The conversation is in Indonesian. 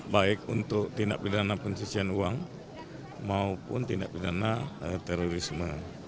baik untuk tindak pidana pencucian uang maupun tindak pidana terorisme